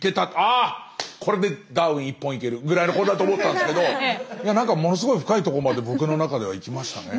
あこれでダーウィン１本いけるぐらいのことだと思ってたんですけど何かものすごい深いとこまで僕の中ではいきましたね。